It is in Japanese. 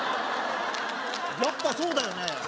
やっぱそうだよね